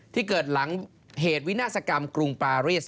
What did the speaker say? ที่เกิดหลังเหตุวินาศกรรมกรุงปารีส